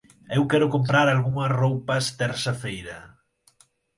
Eu quero comprar algumas roupas terça-feira.